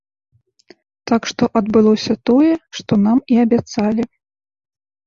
Так што адбылося тое, што нам і абяцалі.